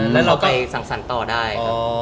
แล้วเขาไปสั่งสรรค์ต่อได้